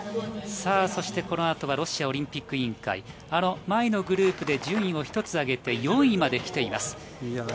この後はロシアオリンピック委員会、前のグループで順位を１つ上げて４位まできています。